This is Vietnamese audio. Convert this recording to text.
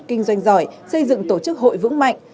kinh doanh giỏi xây dựng tổ chức hội vững mạnh